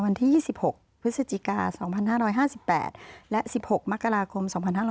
วันที่๒๖พฤศจิกา๒๕๕๘และ๑๖มกราคม๒๕๕๙